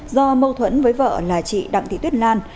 do mâu thuẫn với vợ là chị đặng thị tuyết lan